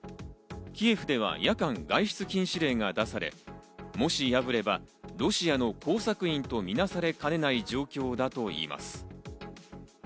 キエフでは夜間外出禁止令が出され、もし破ればロシアの工作員とみなされかねない状況だといいます。